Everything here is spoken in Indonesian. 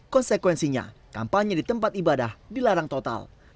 konsekuensinya kampanye di tempat ibadah dilarang total